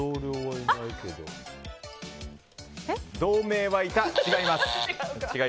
同名はいた、違います。